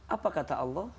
apa kata allah